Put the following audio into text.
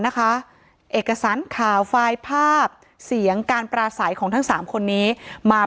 เอกสารข่าวไฟล์ภาพเสียงการปราศัยของทั้งสามคนนี้มา